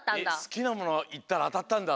すきなものいったらあたったんだ。